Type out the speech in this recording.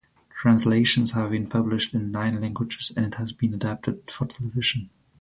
Translations have been published in nine languages and it has been adapted for television.